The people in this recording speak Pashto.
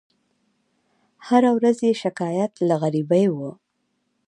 هره ورځ یې شکایت له غریبۍ وو